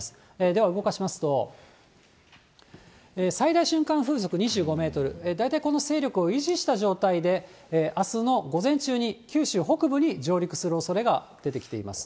では動かしますと、最大瞬間風速２５メートル、大体この勢力を維持した状態で、あすの午前中に九州北部に上陸するおそれが出てきています。